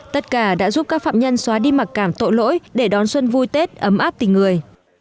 tất cả đã giúp các phạm nhân xóa đi mặc cảm tội lỗi để đón xuân vui tết ấm áp tình người